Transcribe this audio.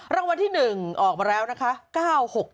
รางวัลที่๑ออกมาแล้วนะคะ๙๖๗๑๓๔